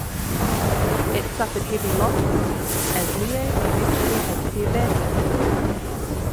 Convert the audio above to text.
It suffered heavy loses as Leie eventually had to be abandoned.